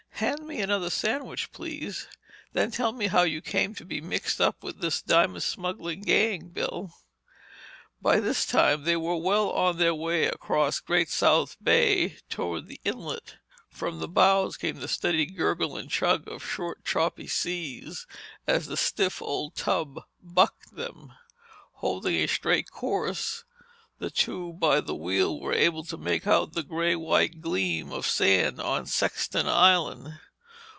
"Hand me another sandwich, please. Then tell me how you came to be mixed up with this diamond smuggling gang, Bill." By this time they were well on their way across Great South Bay toward the inlet. From the bows came the steady gurgle and chug of short choppy seas as the stiff old tub bucked them. Holding a straight course, the two by the wheel were able to make out the grey white gleam of sand on Sexton Island.